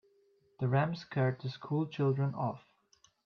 The ram scared the school children off.